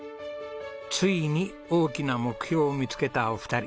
ついに大きな目標を見つけたお二人。